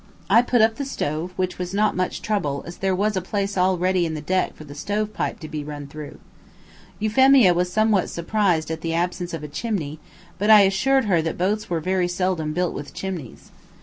I put up the stove, which was not much trouble, as there was a place all ready in the deck for the stove pipe to be run through. Euphemia was somewhat surprised at the absence of a chimney, but I assured her that boats were very seldom built with chimneys.